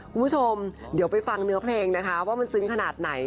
คุณผู้ชมเดี๋ยวไปฟังเนื้อเพลงนะคะว่ามันซึ้งขนาดไหน